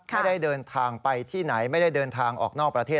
ไม่ได้เดินทางไปที่ไหนไม่ได้เดินทางออกนอกประเทศ